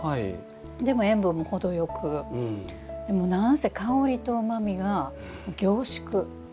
でも塩分も程よく何せ香りとうまみが凝縮。